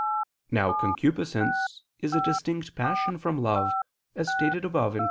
Now concupiscence is a distinct passion from love, as stated above (Q.